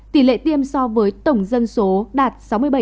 tỷ lệ tiêm so với tổng dân số đạt sáu mươi bảy